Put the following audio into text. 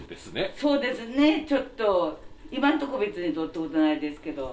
そうですね、ちょっと、今のところ、別にどってことないですけど。